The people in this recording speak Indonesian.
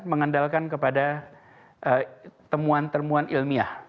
mengandalkan kepada temuan temuan ilmiah